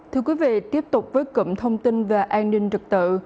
thưa quý vị tiếp tục với cụm thông tin và an ninh trực tự